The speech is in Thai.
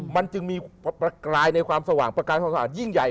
มันจึงมีประกายในความสว่างประกายความสะอาดยิ่งใหญ่